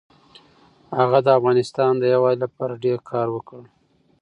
هغه د افغانستان د یووالي لپاره ډېر کار وکړ.